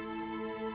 aku sudah berjalan